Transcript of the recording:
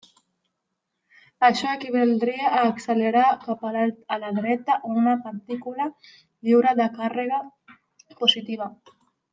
Això equivaldria a accelerar cap a la dreta una partícula lliure de càrrega positiva.